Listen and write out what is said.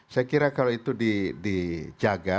saya kira kalau itu dijaga